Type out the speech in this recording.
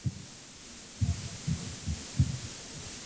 আমাকে আর পাগল করবেন না রসিকবাবু!